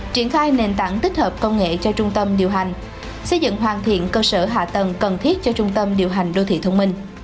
triển khai nền tảng tích hợp công nghệ cho trung tâm điều hành xây dựng hoàn thiện cơ sở hạ tầng cần thiết cho trung tâm điều hành đô thị thông minh